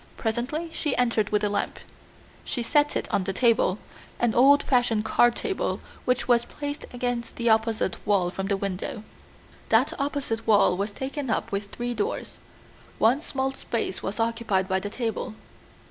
Presently she entered with a lamp. She set it on the table, an old fashioned card table which was placed against the opposite wall from the window. That opposite wall was taken up with three doors; the one small space was occupied by the table.